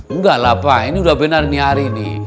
enggak lah pak ini udah benar nih hari ini